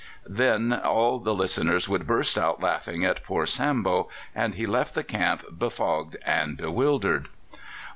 Then all the listeners would burst out laughing at poor Sambo, and he left the camp befogged and bewildered.